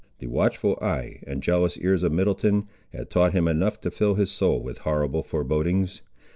The watchful eye and jealous ears of Middleton had taught him enough to fill his soul with horrible forebodings.